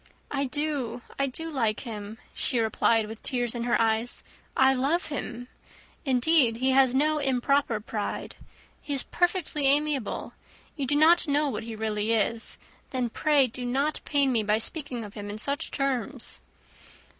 "I do, I do like him," she replied, with tears in her eyes; "I love him. Indeed he has no improper pride. He is perfectly amiable. You do not know what he really is; then pray do not pain me by speaking of him in such terms."